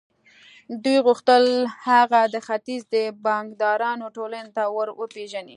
دوی غوښتل هغه د ختیځ د بانکدارانو ټولنې ته ور وپېژني